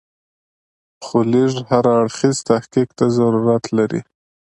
خو لږ هر اړخیز تحقیق ته ضرورت لري.